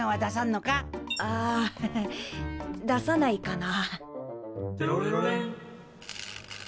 ああ出さないかな。